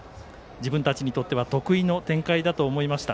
自分たちにとっては得意な展開だと思いました。